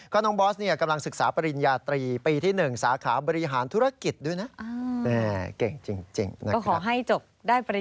ก็น้องบอสกำลังศึกษาปริญญาตรีปีที่๑สาขาบริหารธุรกิจด้วยนะ